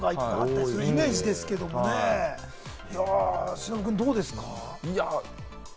忍君、どうですか？